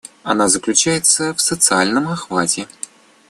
Она заключается в социальном охвате.